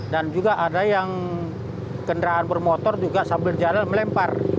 dan juga ada yang kendaraan bermotor juga sambil jalan melempar